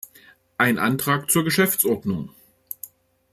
Ein Antrag zur Geschäftsordnung!